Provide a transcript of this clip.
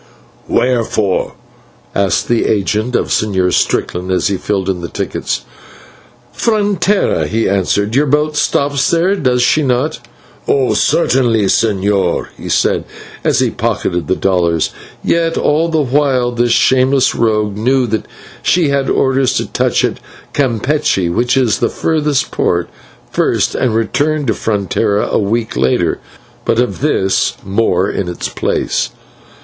"Where for?" asked the agent of the Señor Strickland, as he filled in the tickets. "Frontera," he answered. "Your boat stops there, does she not?" "Oh! certainly, señor," he said, as he pocketed the dollars, and yet all the while this shameless rogue knew that she had orders to touch at Campeche, which is the furthest port, first, and return to Frontera a week later. But of this more in its place.